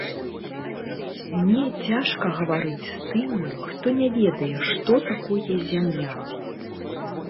Мне цяжка гаварыць з тымі, хто не ведае, што такое зямля.